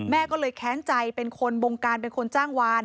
แม่ก็เลยแค้นใจเป็นคนบงการเป็นคนจ้างวาน